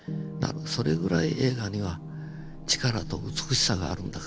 それぐらい映画には力と美しさがあるんだからと。